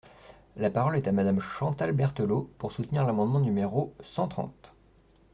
La parole est à Madame Chantal Berthelot, pour soutenir l’amendement numéro cent trente.